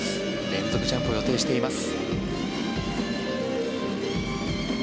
連続ジャンプを予定しています。